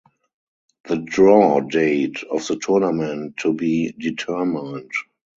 The draw date of the tournament to be determined.